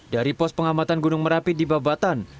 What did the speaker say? dari pos pengamatan gunung merapi di babatan